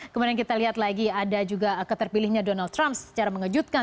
kemudian kita lihat lagi ada juga keterpilihnya donald trump secara mengejutkan